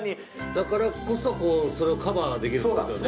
だからこそそれをカバーできるんですよね。